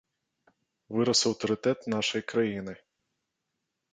Вырас аўтарытэт нашай краіны.